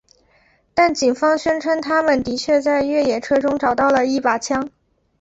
但警方宣称他们的确在越野车中找到了一把枪。